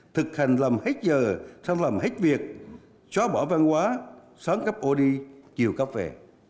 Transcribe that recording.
thực hành làm hết giờ sao làm hết việc xóa bỏ văn hóa sớm cấp ô đi chiều cấp về